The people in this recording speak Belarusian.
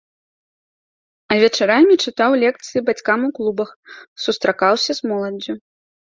А вечарамі чытаў лекцыі бацькам у клубах, сустракаўся з моладдзю.